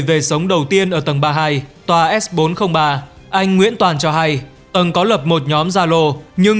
về sống đầu tiên ở tầng ba mươi hai tòa s bốn trăm linh ba anh nguyễn toàn cho hay ông có lập một nhóm gia lô nhưng